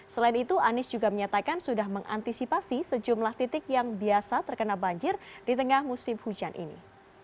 selain itu anies juga menyatakan sudah mengantisipasi sejumlah titik yang biasa terkena banjir di tengah musim hujan ini